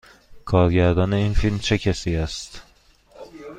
کارگردان این فیلم چه کسی است؟